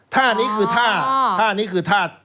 ถ้านี้คือถ้าถ้านี่คือถ้าที่